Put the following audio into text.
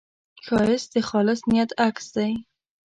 ښایست د خالص نیت عکس دی